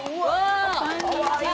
こんにちは！